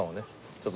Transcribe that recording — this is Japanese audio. ちょっと